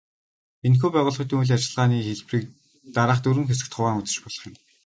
Энэхүү байгууллагуудын үйл ажиллагааны хэлбэрийг дараах дөрвөн хэсэгт хуваан үзэж болох юм.